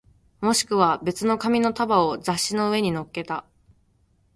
もしくは別の紙の束を雑誌の上に乗っけた